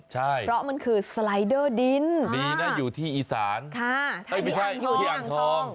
เพราะมันคือสไลเดอร์ดินนี่น่ะอยู่ที่อีสานอ่ะอยู่ที่อังทอง